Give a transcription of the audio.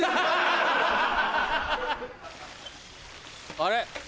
あれ？